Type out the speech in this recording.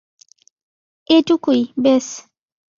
এটুকুই, ব্যস।